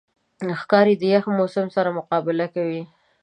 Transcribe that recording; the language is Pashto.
ښکاري د یخ موسم سره مقابله کوي.